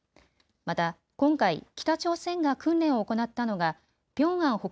また今回、北朝鮮が訓練を行ったのがピョンアン